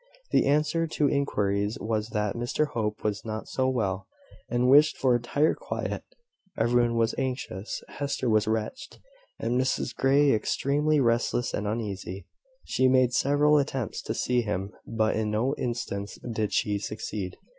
The answer to inquiries was that Mr Hope was not so well, and wished for entire quiet. Everyone was anxious. Hester was wretched, and Mrs Grey extremely restless and uneasy. She made several attempts to see him; but in no instance did she succeed.